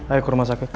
ayo ke rumah sakit